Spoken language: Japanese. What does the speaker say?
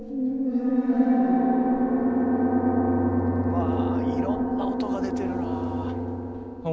わあいろんな音が出てるな。